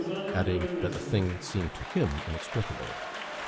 adding that the thing seemed to him inexplicable.